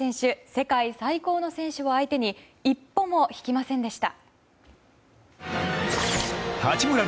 世界最高の選手を相手に一歩も引きませんでした。